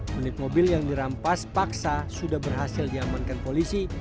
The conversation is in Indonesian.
unit mobil yang dirampas paksa sudah berhasil diamankan polisi